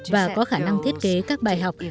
và có khả năng thiết kế các bài học